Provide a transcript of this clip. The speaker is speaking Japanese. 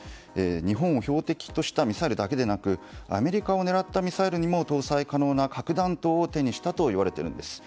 日本を標的としたミサイルだけでなくアメリカを狙ったミサイルにも搭載可能な核弾頭を手にしたといわれているんです。